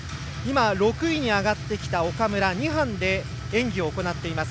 ６位に上がってきた岡村２班で演技を行っています。